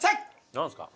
何すか？